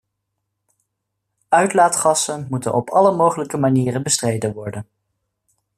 Uitlaatgassen moeten op alle mogelijke manieren bestreden worden.